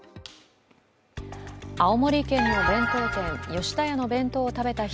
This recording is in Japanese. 青森県の弁当店、吉田屋の弁当を食べた人